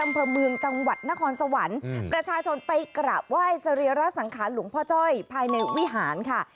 อำเภอเมืองจังหวัดนครสวรรค์ประชาชนไปกราบไหว้สรีระสังขารหลวงพ่อจ้อยภายในวิหารค่ะ